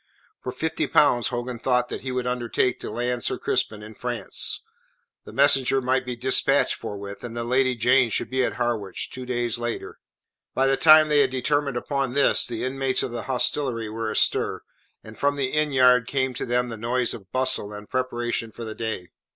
For fifty pounds Hogan thought that he would undertake to land Sir Crispin in France. The messenger might be dispatched forthwith, and the Lady Jane should be at Harwich, two days later. By the time they had determined upon this, the inmates of the hostelry were astir, and from the innyard came to them the noise of bustle and preparation for the day.